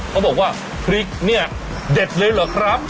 เขาบอกว่าพริกเนี่ยเด็ดเลยเหรอครับ